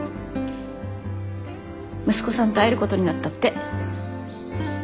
息子さんと会えることになったって。